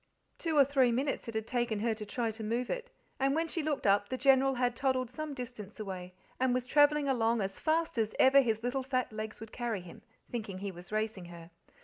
Two or three minutes it had taken her to try to move it, and when she looked up the General had toddled same distance away, and was travelling along as fast as ever his little fat legs would carry him, thinking he was racing her.